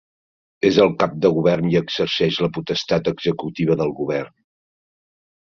És el cap de govern i exercix la potestat executiva del govern.